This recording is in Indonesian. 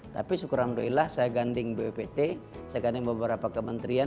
tapi syukur allah saya ganding bppt saya gandeng beberapa kementerian